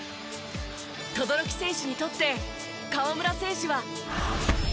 轟選手にとって河村選手は。